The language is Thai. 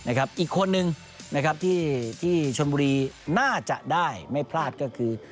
อีกคนนึงที่ชนบุรีน่าจะได้ไม่พลาดก็คือ